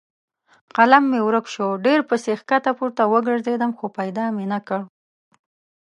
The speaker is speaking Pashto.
قلم مې ورک شو؛ ډېر پسې کښته پورته وګرځېدم خو پیدا مې نه کړ.